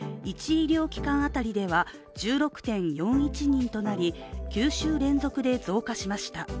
医療機関当たりでは１６．４１人となり９週連続で増加しました。